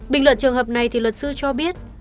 bình luận trường hợp này thì luật sư cho biết